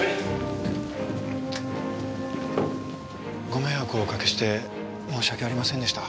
ご迷惑をおかけして申し訳ありませんでした。